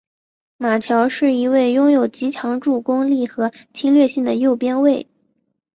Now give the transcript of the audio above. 马乔是一位拥有极强助攻力和侵略性的右边卫。